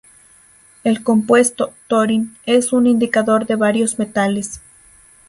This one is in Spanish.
El compuesto "Thorin" es un indicador de varios metales.